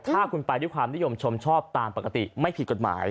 ถ้าคุณไปด้วยความนิยมชมชอบตามปกติไม่ผิดกฎหมาย